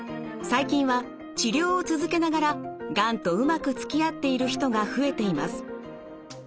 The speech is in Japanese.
最近は治療を続けながらがんとうまくつきあっている人が増えています。